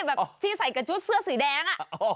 แบบที่ใส่กับชุดเสื้อสีแดงอะ